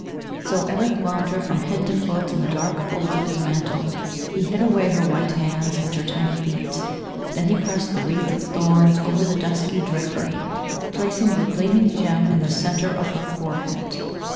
So Eric wound her from head to foot in the dark folds of his mantle; he hid away her white hands and her tiny feet. Then he pressed the wreath of thorns over the dusky drapery, placing the gleaming gem in the centre of her forehead.